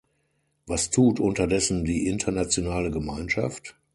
Was tut unterdessen die internationale Gemeinschaft?